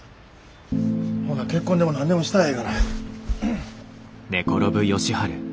ほな結婚でも何でもしたらええがな。